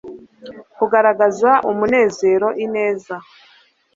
kugaragaza umunezero, ineza